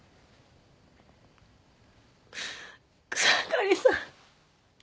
草刈さん